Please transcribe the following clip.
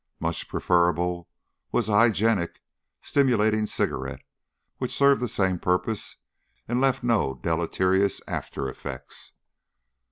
Much preferable was a hygienic, stimulating cigarette which served the same purpose and left no deleterious aftereffects.